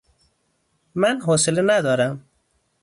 من حوصله ندارم